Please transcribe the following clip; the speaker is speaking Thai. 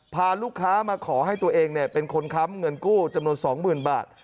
พาลูกค้ามาขอให้ตัวเองเนี่ยเป็นคนค้ำเงินกู้จำนวนสองหมื่นบาท